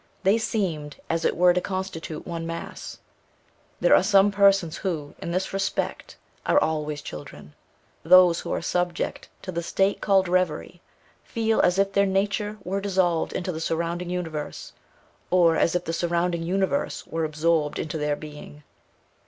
They seemed as it were to constitute one mass. There are some persons who, in this respect, are always children. Those who are subject to the state called reverie, feel as if their nature were dissolved into the surrounding universe, or as if the surrounding universe were absorbed into their being.